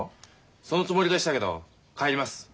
そのつもりでしたけど帰ります。